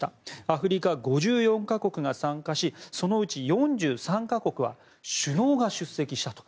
アフリカ５４か国が参加しそのうち４３か国は首脳が出席したと。